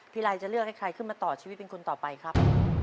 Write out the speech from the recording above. ไรจะเลือกให้ใครขึ้นมาต่อชีวิตเป็นคนต่อไปครับ